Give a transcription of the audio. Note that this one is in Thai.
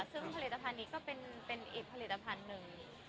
ซึ่งผลิตภัณฑ์นี้ก็เป็นอีกผลิตภัณฑ์หนึ่ง